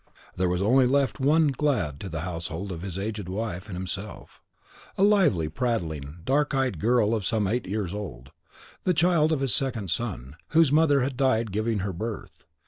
There was only left to glad the household of his aged wife and himself, a lively, prattling, dark eyed girl of some eight years old, the child of his second son, whose mother had died in giving her birth.